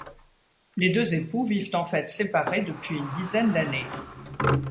Les deux époux vivent en fait séparés depuis une dizaine d'années.